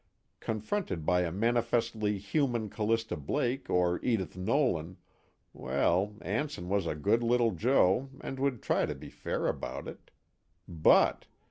Confronted by a manifestly human Callista Blake or Edith Nolan well, Anson was a good little joe and would try to be fair about it; BUT